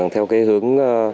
theo cái hướng